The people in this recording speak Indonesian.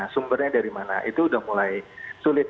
sumbernya dari mana itu sudah mulai sulit